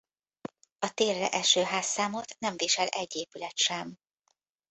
A térre eső házszámot nem visel egy épület sem.